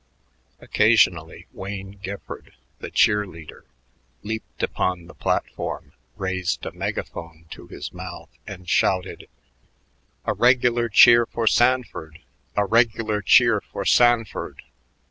Occasionally Wayne Gifford, the cheer leader, leaped upon the platform, raised a megaphone to his mouth, and shouted, "A regular cheer for Sanford a regular cheer for Sanford."